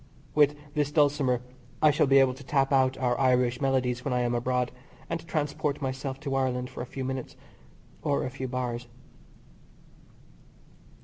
With this dulcimer I shall be able to tap out our Irish melodies when I am abroad, and transport myself to Ireland for a few minutes, or a few bars.